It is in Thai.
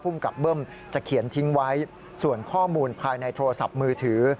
กับเบิ้มจะเขียนทิ้งไว้ส่วนข้อมูลภายในโทรศัพท์มือถือ